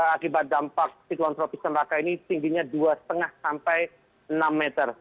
akibat dampak psikotropis tenaga ini tingginya dua lima sampai enam meter